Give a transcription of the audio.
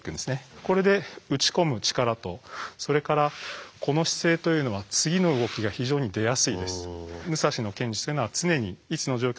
これで打ち込む力とそれからこの姿勢というのは次の動きが非常に出やすいです。